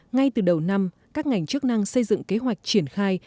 ngay từ đầu năm các ngành chức năng xây dựng kế hoạch triển khai